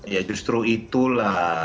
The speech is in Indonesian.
ya justru itulah